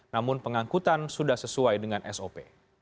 namun pengangkutan sudah sesuai dengan sop